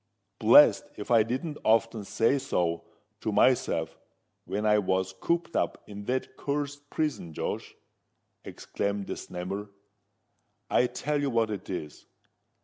"Blest if I didn't often say so to myself when I was cooped up in that cursed prison, Josh!" exclaimed the Snammer. "I tell you what it is.